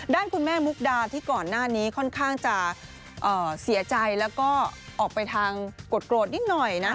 ด้านคุณแม่มุกดาที่ก่อนหน้านี้ค่อนข้างจะเสียใจแล้วก็ออกไปทางโกรธนิดหน่อยนะ